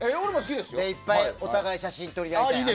で、いっぱいお互いに写真撮り合いたい。